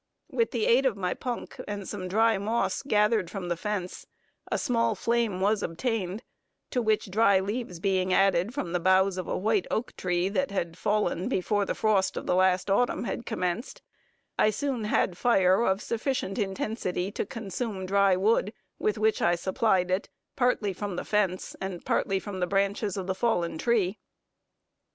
With the aid of my punk, and some dry moss gathered from the fence, a small flame was obtained, to which dry leaves being added from the boughs of a white oak tree, that had fallen before the frost of the last autumn had commenced, I soon had fire of sufficient intensity to consume dry wood, with which I supplied it, partly from the fence and partly from the branches of the fallen tree.